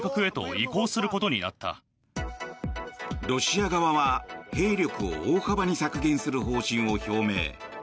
ロシア側は、兵力を大幅に削減する方針を表明。